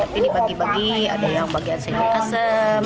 tapi dibagi bagi ada yang bagian sedikit asem